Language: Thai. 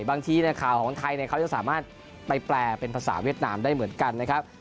บางทีข่าวของไทยเขาจะสามารถไปแปลเป็นภาษาเวียดนามได้เหมือนกันนะครับ